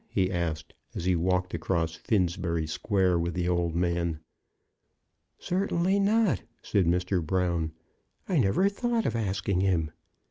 he asked, as he walked across Finsbury Square with the old man. "Certainly not," said Mr. Brown; "I never thought of asking him."